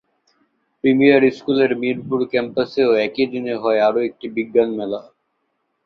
Premier স্কুলের মিরপুর ক্যাম্পাসেও একই দিনে হয় আরও একটি বিজ্ঞান মেলা।